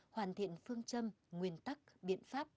hoàn thiện phương châm nguyên tắc biện pháp